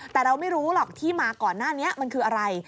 แต่เราไม่รู้หรอกที่มาก่อนหน้านี้มันคืออะไร